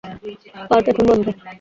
Park এখন বন্ধ।